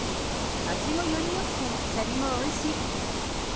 味もよりよくて、シャリもおいしい。